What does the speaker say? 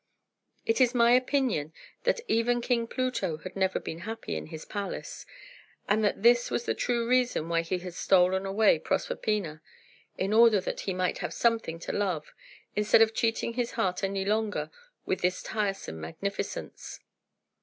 It is my opinion that even King Pluto had never been happy in his palace, and that this was the true reason why he had stolen away Proserpina, in order that he might have something to love, instead of cheating his heart any longer with this tiresome magnificence.